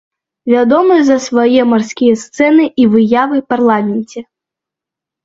Вядомы за свае марскія сцэны і выявы парламенце.